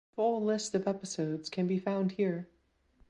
Full list of episodes can be found here.